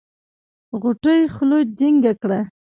غوټۍ خوله جينګه کړه.